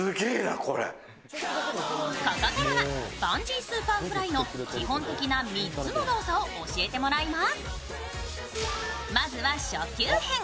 ここからはバンジースーパーフライの基本的な３つの動作を教えてもらいます。